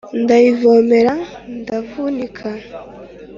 ndayivomera ndavunika !